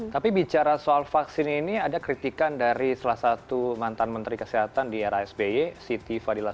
tapi bicara soal vaksin ini ada kritikan dari salah satu mantan menteri kesehatan di era sby siti fadilas